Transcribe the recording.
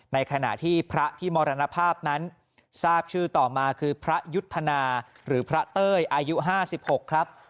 ในขณะที่พระที่มรณภาพนั้นทราบชื่อต่อมาคือพระยุทธนาหรือพระเต้ยอายุ๕๖ครับ